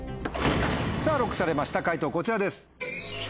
さぁＬＯＣＫされました解答こちらです。